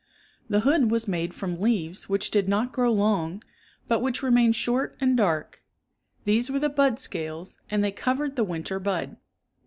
The hood was made from leaves which did not grow long, but which remained short and dark. These were the bud scales and they covered the winter bud.